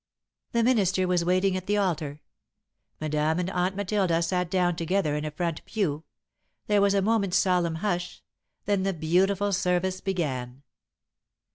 The minister was waiting at the altar. Madame and Aunt Matilda sat down together in a front pew; there was a moment's solemn hush, then the beautiful service began.